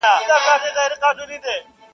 له مستیه مي غزل څومره سرشار دی,